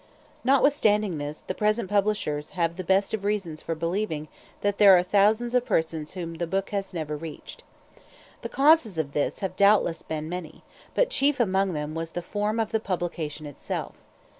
Notwithstanding this, the present publishers have the best of reasons for believing, that there are thousands of persons whom the book has never reached. The causes of this have doubtless been many, but chief among them was the form of the publication itself.